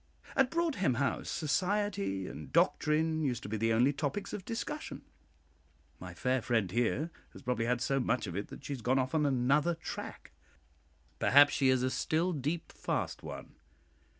At Broadhem House, society and doctrine used to be the only topics of discussion. My fair friend here has probably had so much of it that she has gone off on another tack; perhaps she is a "still deep fast" one.